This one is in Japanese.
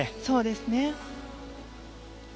そうですね。